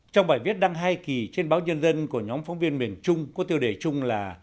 trong bài viết đăng hai kỳ trên báo nhân dân của nhóm phóng viên miền trung có tiêu đề chung là